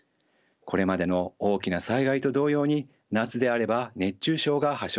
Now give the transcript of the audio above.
これまでの大きな災害と同様に夏であれば熱中症が発症します。